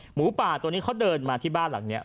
หมูป่าตัวนี้เขาเดินมาที่บ้านหลังนี้